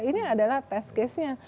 ini adalah test case nya